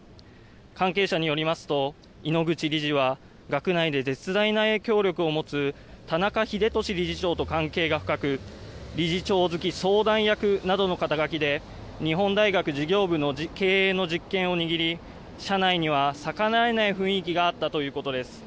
関係者によりますと井ノ口理事は学内で絶大な影響力を持つ田中英壽理事長と関係が深く理事長付相談役などの肩書きで日本大学事業部の経営の実権を握り、社内には逆らえない雰囲気があったということです。